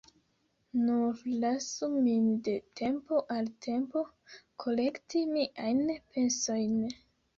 Nur lasu min de tempo al tempo kolekti miajn pensojn.